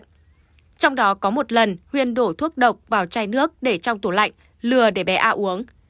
trong đó có một lần huyên đổ thuốc độc vào chai nước để trong tủ lạnh lừa để bé a uống